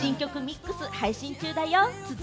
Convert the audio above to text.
新曲『ミックス』配信中だよ。